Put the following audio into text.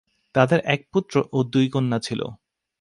তাদের এক পুত্র ও দুই কন্যা ছিল।